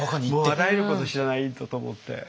もうあらゆること知らないとと思って。